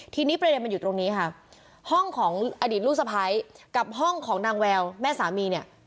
ทีนี้ประเด็นมันอยู่ตรงนี้ค่ะห้องของอดีตลูกสะพ้ายกับห้องของนางแววแม่สามีเนี่ย